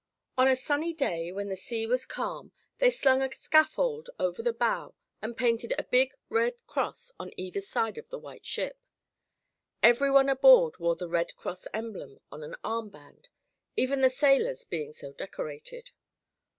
On a sunny day when the sea was calm they slung a scaffold over the bow and painted a big red cross on either side of the white ship. Everyone aboard wore the Red Cross emblem on an arm band, even the sailors being so decorated.